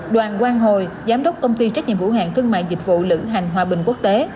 đoàn quang hồi giám đốc công ty trách nhiệm vũ hạng thương mại dịch vụ lự hành hòa bình quốc tế